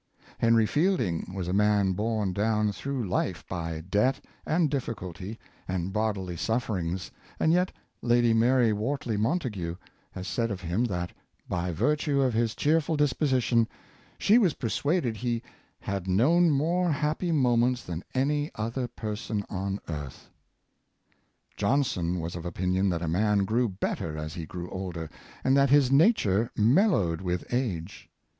Henry Fielding was a man borne down Instances of Cheerful Men, 515 through Hfe by debt, and difficulty and bodily suffer ings; and yet Lady Mary Wortley Montague has said of him that, by virtue of his cheerful disposition, she was persuaded he *' had known more happy moments than any other person on earth." Johnson was of opinion that a man grew better as he grew older, and that his nature mellowed with age.